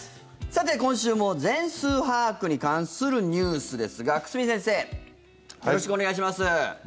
さて、今週も全数把握に関するニュースですがお願いします。